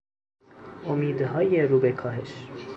امیدهای رو به کاهش